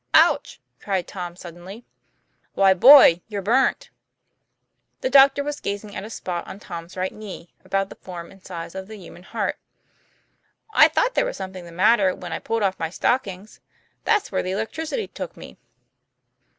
"Ouch," cried Tom, suddenly. "Why, boy, you're burnt." The doctor was gazing at a spot on Tom's right knee about the form and size of the human heart. ;' I thought there was something the matter when I pulled off my stocking: that's where the electricity took me."